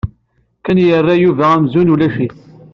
Ken yerra Yuba amzun ulac-it.